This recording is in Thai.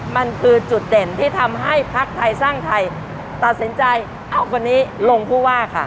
มันคือจุดเด่นที่ทำให้ภักดิ์ไทยสร้างไทยตัดสินใจเอ้าวันนี้ลงผู้ว่าค่ะ